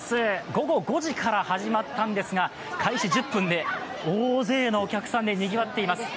午後５時から始まったんですが開始１０分で大勢のお客さんでにぎわっています。